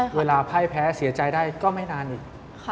ไพ่แพ้เสียใจได้ก็ไม่นานอีก